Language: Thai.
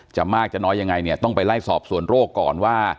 มากจะน้อยยังไงเนี่ยต้องไปไล่สอบส่วนโรคก่อนว่า